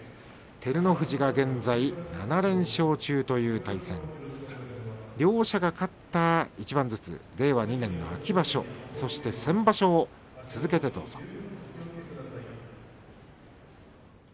照ノ富士が現在７連勝中という対戦。両者が勝った一番ずつ令和２年秋場所そして先場所を続けてどうぞ。